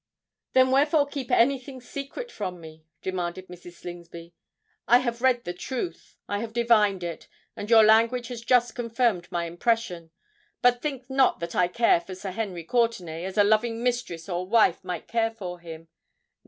"Then wherefore keep anything secret from me?" demanded Mrs. Slingsby. "I have read the truth—I have divined it—and your language has just confirmed my impression. But think not that I care for Sir Henry Courtenay, as a loving mistress or wife might care for him.